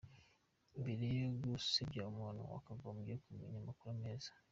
Mbere yo gusebya umuntu wakagombye kumenya amakuru neza.